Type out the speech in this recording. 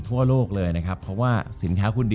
จบการโรงแรมจบการโรงแรม